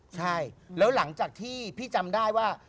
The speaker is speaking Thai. ใช่แล้วหลังจากที่พี่จำได้ว่า